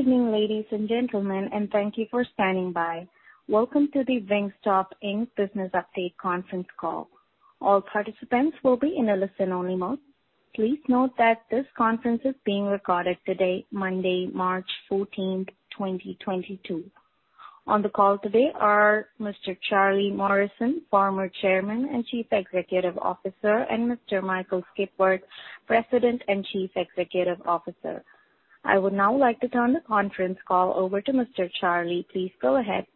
Good evening, ladies and gentlemen, and thank you for standing by. Welcome to the Wingstop Inc. Business Update Conference Call. All participants will be in a listen only mode. Please note that this conference is being recorded today, Monday, March 14, 2022. On the call today are Mr. Charlie Morrison, former Chairman and Chief Executive Officer, and Mr. Michael Skipworth, President and Chief Executive Officer. I would now like to turn the conference call over to Mr. Charlie. Please go ahead.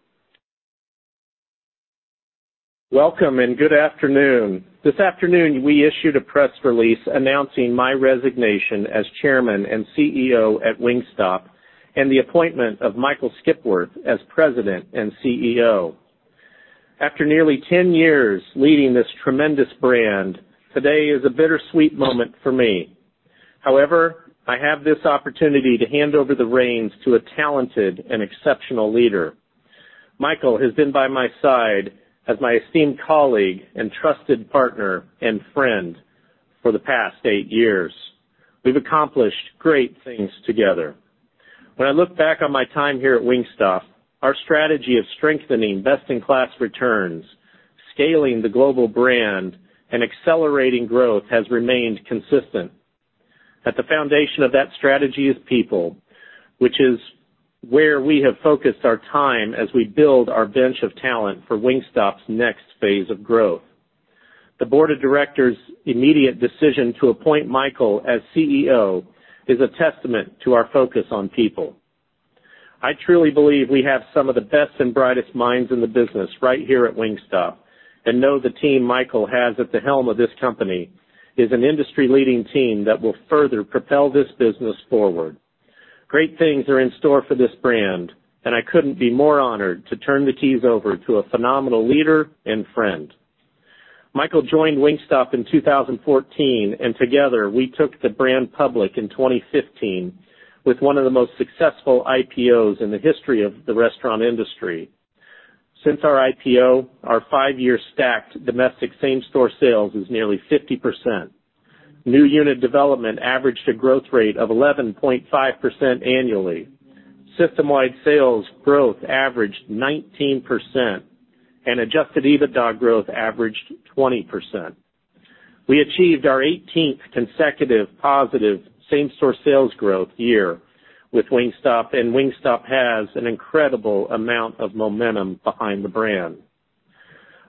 Welcome and good afternoon. This afternoon, we issued a press release announcing my resignation as Chairman and CEO at Wingstop, and the appointment of Michael Skipworth as President and CEO. After nearly 10 years leading this tremendous brand, today is a bittersweet moment for me. However, I have this opportunity to hand over the reins to a talented and exceptional leader. Michael has been by my side as my esteemed colleague and trusted partner and friend for the past eight years. We've accomplished great things together. When I look back on my time here at Wingstop, our strategy of strengthening best in class returns, scaling the global brand, and accelerating growth has remained consistent. At the foundation of that strategy is people, which is where we have focused our time as we build our bench of talent for Wingstop's next phase of growth. The board of directors' immediate decision to appoint Michael as CEO is a testament to our focus on people. I truly believe we have some of the best and brightest minds in the business right here at Wingstop, and know the team Michael has at the helm of this company is an industry-leading team that will further propel this business forward. Great things are in store for this brand, and I couldn't be more honored to turn the keys over to a phenomenal leader and friend. Michael joined Wingstop in 2014, and together, we took the brand public in 2015 with one of the most successful IPOs in the history of the restaurant industry. Since our IPO, our five-year stacked domestic same-store sales is nearly 50%. New unit development averaged a growth rate of 11.5% annually. System-wide sales growth averaged 19%, and adjusted EBITDA growth averaged 20%. We achieved our 18th consecutive positive same-store sales growth year with Wingstop, and Wingstop has an incredible amount of momentum behind the brand.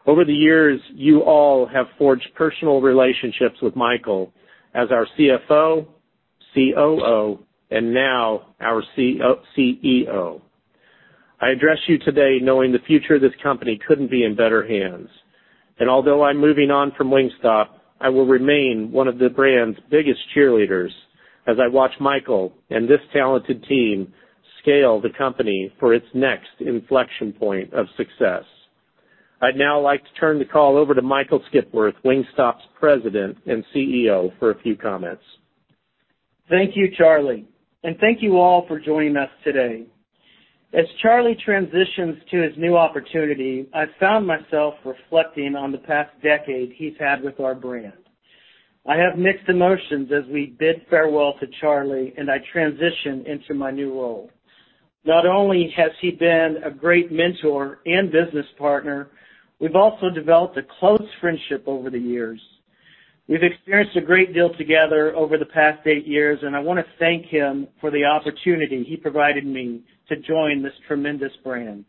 Over the years, you all have forged personal relationships with Michael as our CFO, COO, and now our CEO. I address you today knowing the future of this company couldn't be in better hands. Although I'm moving on from Wingstop, I will remain one of the brand's biggest cheerleaders as I watch Michael and this talented team scale the company for its next inflection point of success. I'd now like to turn the call over to Michael Skipworth, Wingstop's President and CEO, for a few comments. Thank you, Charlie, and thank you all for joining us today. As Charlie transitions to his new opportunity, I found myself reflecting on the past decade he's had with our brand. I have mixed emotions as we bid farewell to Charlie and I transition into my new role. Not only has he been a great mentor and business partner, we've also developed a close friendship over the years. We've experienced a great deal together over the past eight years, and I wanna thank him for the opportunity he provided me to join this tremendous brand.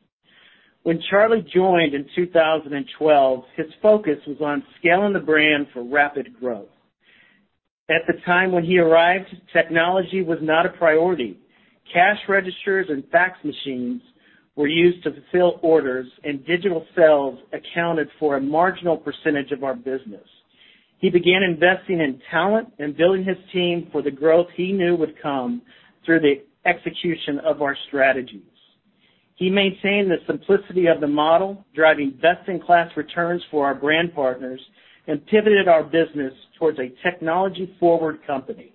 When Charlie joined in 2012, his focus was on scaling the brand for rapid growth. At the time when he arrived, technology was not a priority. Cash registers and fax machines were used to fulfill orders, and digital sales accounted for a marginal percentage of our business. He began investing in talent and building his team for the growth he knew would come through the execution of our strategies. He maintained the simplicity of the model, driving best in class returns for our brand partners and pivoted our business towards a technology forward company.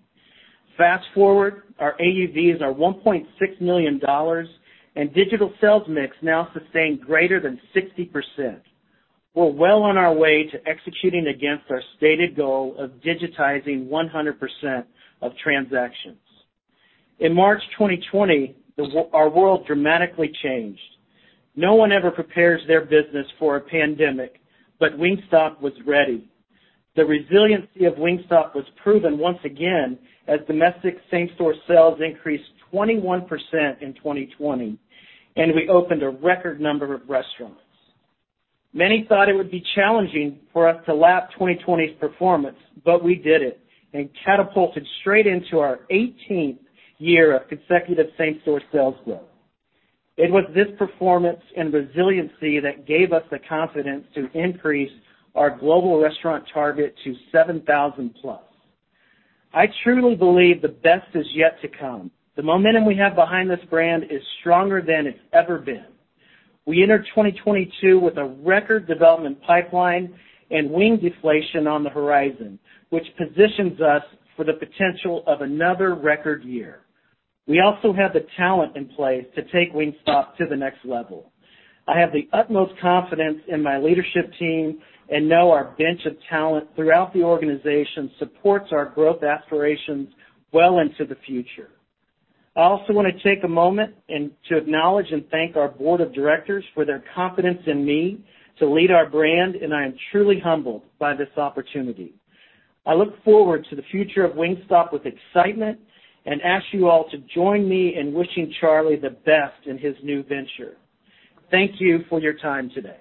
Fast forward, our AUVs are $1.6 million, and digital sales mix now sustain greater than 60%. We're well on our way to executing against our stated goal of digitizing 100% of transactions. In March 2020, our world dramatically changed. No one ever prepares their business for a pandemic, but Wingstop was ready. The resiliency of Wingstop was proven once again as domestic same-store sales increased 21% in 2020, and we opened a record number of restaurants. Many thought it would be challenging for us to lap 2020's performance, but we did it, and catapulted straight into our 18th year of consecutive same-store sales growth. It was this performance and resiliency that gave us the confidence to increase our global restaurant target to 7,000+. I truly believe the best is yet to come. The momentum we have behind this brand is stronger than it's ever been. We enter 2022 with a record development pipeline and wing deflation on the horizon, which positions us for the potential of another record year. We also have the talent in place to take Wingstop to the next level. I have the utmost confidence in my leadership team and know our bench of talent throughout the organization supports our growth aspirations well into the future. I also wanna take a moment and to acknowledge and thank our board of directors for their confidence in me to lead our brand, and I am truly humbled by this opportunity. I look forward to the future of Wingstop with excitement and ask you all to join me in wishing Charlie the best in his new venture. Thank you for your time today.